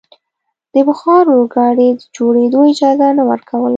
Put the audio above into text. د بخار اورګاډي د جوړېدو اجازه نه ورکوله.